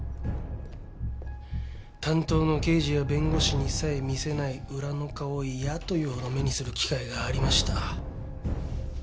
担当の刑事や弁護士にさえ見せない裏の顔を嫌というほど目にする機会がありました。